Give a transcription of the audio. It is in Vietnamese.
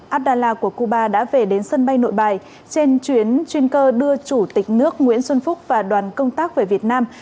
abdallah của cuba đã về đến sân bay nội bài trên chuyến chuyên cơ đưa chủ tịch nước nguyễn xuân phúc và đoàn công tác về việt nam